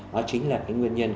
đó chính là cái nguyên nhân